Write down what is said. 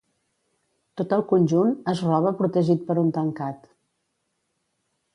Tot el conjunt es roba protegit per un tancat.